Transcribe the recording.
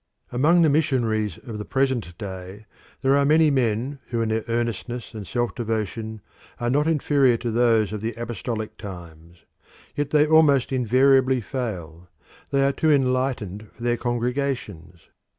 Among the missionaries of the present day there are many men who in earnestness and self devotion are not inferior to those of the apostolic times. Yet they almost invariably fail they are too enlightened for their congregations.